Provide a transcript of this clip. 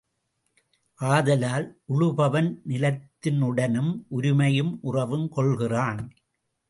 ஆதலால் உழுபவன் நிலத்தினுடன் உரிமையும் உறவும் கொள்கிறான்.